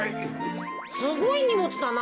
すごいにもつだな。